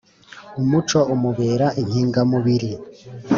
Umuco umubera inkinga mubiri